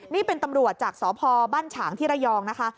นี่เป็นตำรวจจากสพบ้านฉางที่ระยองนะคะ